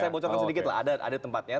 saya bocorkan sedikit lah ada tempatnya